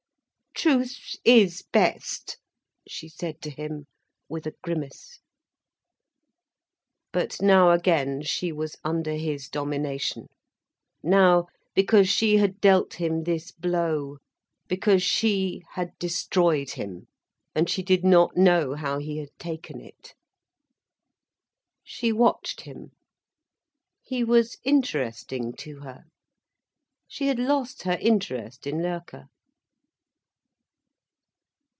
"Truth is best," she said to him, with a grimace. But now again she was under his domination; now, because she had dealt him this blow; because she had destroyed him, and she did not know how he had taken it. She watched him. He was interesting to her. She had lost her interest in Loerke.